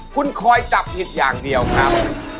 คุณคอยจับผิดอย่างเดียวครับ